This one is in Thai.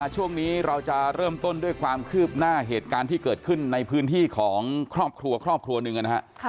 ช่วงนี้เราจะเริ่มต้นด้วยความคืบหน้าเหตุการณ์ที่เกิดขึ้นในพื้นที่ของครอบครัวครอบครัวหนึ่งนะฮะ